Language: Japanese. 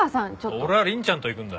俺は凛ちゃんと行くんだ。